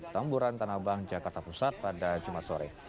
tamburan tanah abang jakarta pusat pada jumat sore